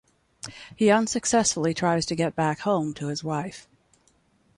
He unsuccessfully tries to get back home to his wife.